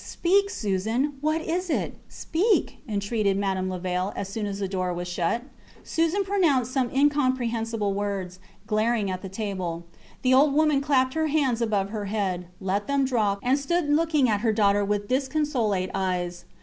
Speak, Susan. What is it? Speak! entreated Madame Levaille, as soon as the door was shut. Susan pronounced some incomprehensible words, glaring at the table. The old woman clapped her hands above her head, let them drop, and stood looking at her daughter with disconsolate eyes.